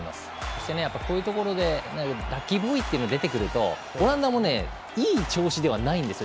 そして、こういうところでラッキーボーイが出てくるとオランダもいい調子ではないんです